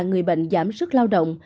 người bệnh giảm sức lao động